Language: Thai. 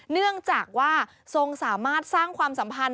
เนื่องจากว่าทรงสามารถสร้างความสัมพันธ์